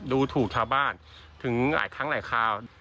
ดูถูกชาวบ้านถึงหลายครั้งหลายคราว